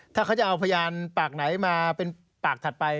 ถ้าเขาจะเอาพยานปากไหนมาเป็นปากถัดไป